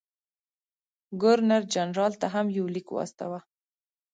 ګورنر جنرال ته هم یو لیک واستاوه.